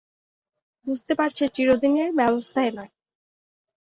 বুঝতে পারছে চিরদিনের ব্যবস্থা এ নয়।